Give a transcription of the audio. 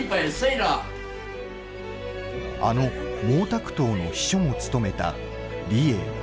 あの毛沢東の秘書も務めた李鋭。